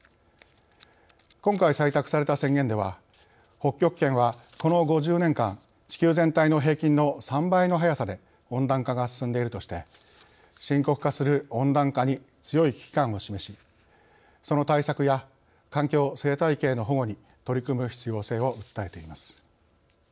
今回採択された宣言では北極圏はこの５０年間地球全体の平均の３倍の速さで温暖化が進んでいるとして深刻化する温暖化に強い危機感を示しその対策や環境、生態系の保護に取り組む必要性を訴えています。